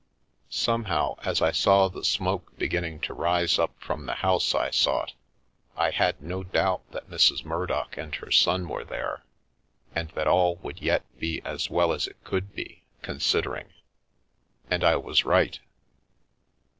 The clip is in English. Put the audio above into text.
Somehow, as I saw the smoke beginning to rise up from the house I sought, I had no doubt that Mrs. Mur dock and her son were there, and that all would yet be as well as it could be, considering. And I was right.